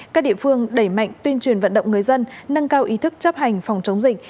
các địa phương đẩy mạnh tuyên truyền vận động người dân nâng cao ý thức chấp hành phòng chống dịch